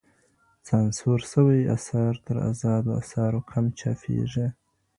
سانسور سوي اثار تر ازادو اثارو کم چاپېږي.